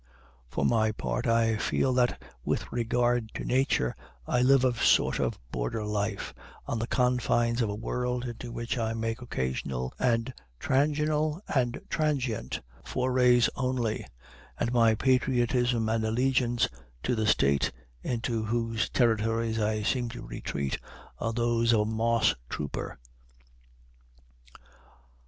For my part, I feel that with regard to Nature I live a sort of border life, on the confines of a world into which I make occasional and transional and transient forays only, and my patriotism and allegiance to the State into whose territories I seem to retreat are those of a moss trooper.